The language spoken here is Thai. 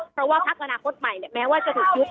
เพราะว่าพักอนาคตใหม่แม้ว่าจะถูกยุบ